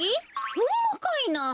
ほんまかいな？